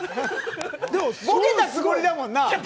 でもボケたつもりだもんな。